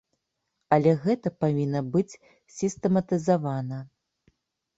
Але гэта павінна быць сістэматызавана.